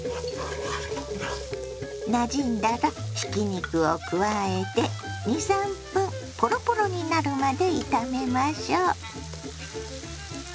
なじんだらひき肉を加えて２３分ポロポロになるまで炒めましょ。